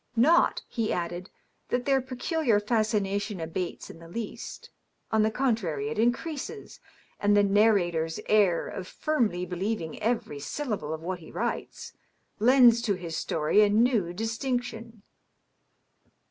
" Not," he added, " that their peculiar fascination abates in the least ; on the con trary, it increases ; and the narrator's air of firmly believing every syl lable of what he writes, lends to his story a new distinction.